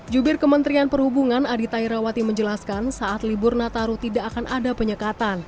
jubir kementerian perhubungan adita irawati menjelaskan saat libur nataru tidak akan ada penyekatan